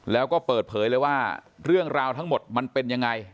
แล้วก็เปิดเผยเลยว่าเรื่องราวทั้งหมดมันเป็นยังไง